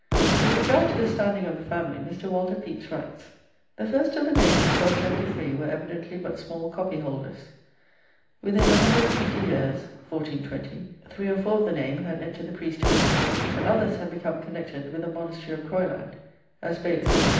With regard to the standing of the family, Mr. Walter Pepys writes: "The first of the name in 1273 were evidently but small copyholders. Within 150 years (1420) three or four of the name had entered the priesthood, and others had become connected with the monastery of Croyland as bailiffs, &c.